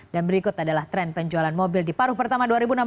dan berikut adalah tren penjualan mobil di paruh pertama dua ribu enam belas